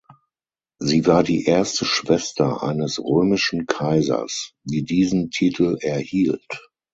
Sie war die erste Schwester eines römischen Kaisers, die diesen Titel erhielt.